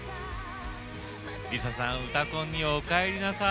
ＬｉＳＡさん「うたコン」にお帰りなさい。